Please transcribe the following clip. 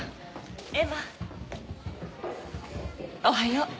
おはよう。